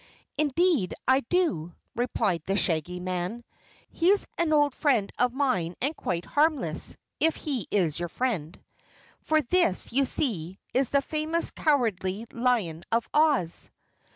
"Indeed, I do!" replied the Shaggy Man. "He's an old friend of mine and quite harmless if he is your friend. For this, you see, is the famous Cowardly Lion of Oz."